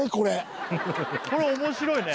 これ面白いね